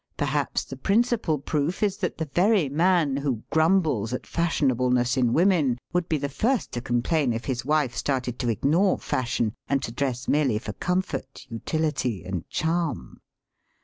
Perhaps the principal proof is that the very man who grumbles at fashiooableness in women would be the first to complain if his wife started to ignore fashion and to dress merely for comfort, utility, and charm.